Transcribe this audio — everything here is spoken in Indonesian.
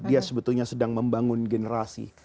dia sebetulnya sedang membangun generasi